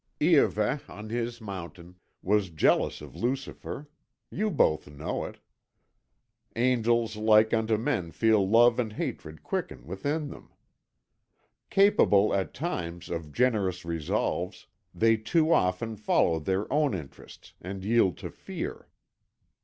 Iahveh, on his mountain, was jealous of Lucifer. You both know it: angels like unto men feel love and hatred quicken within them. Capable, at times, of generous resolves, they too often follow their own interests and yield to fear.